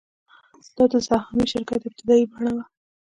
دا د سهامي شرکت ابتدايي بڼه وه